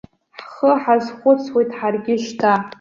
Ҳхы ҳазхәыцуеит ҳаргьы шьҭа.